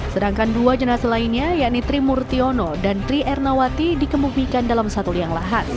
sedangkan dua jenazah lainnya yakni trimurtiono dan tri ernawati dikemupikan dalam satu liang lahat